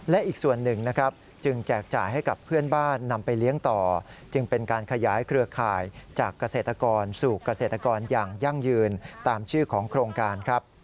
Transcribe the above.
และอีกส่วนหนึ่งนะครับจึงแจกจ่ายให้กับเพื่อนบ้านนำไปเลี้ยงต่อจึงเป็นการขยายเครือข่ายจากเกษตรกรสู่เกษตรกรอย่างยั่งยืนตามชื่อของโครงการครับ